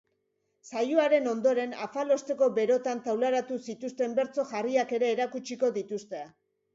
Saioaren ondoren afalosteko berotan taularatu zituzten bertso jarriak ere erakutsiko dituzte.